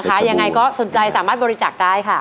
ยังไงก็สนใจสามารถบริจาคได้ค่ะ